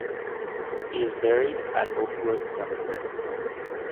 He is buried at Oakwood Cemetery.